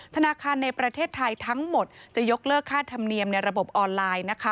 ธนาคารในประเทศไทยทั้งหมดจะยกเลิกค่าธรรมเนียมในระบบออนไลน์นะคะ